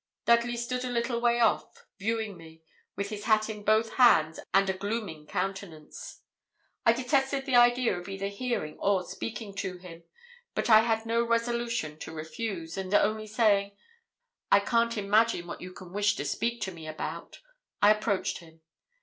Dudley stood a little way off, viewing me, with his hat in both hands and a 'glooming' countenance. I detested the idea of either hearing or speaking to him; but I had no resolution to refuse, and only saying 'I can't imagine what you can wish to speak to me about,' I approached him.